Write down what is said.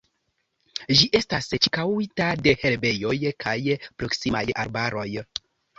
Ĝi estas ĉirkaŭita de herbejoj kaj proksimaj arbaroj.